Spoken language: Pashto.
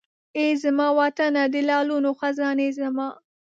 ای زما وطنه د لعلونو خزانې زما!